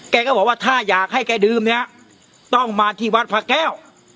แกก็บอกว่าถ้าอยากให้แกดื่มเนี่ยต้องมาที่วัดพระแก้ว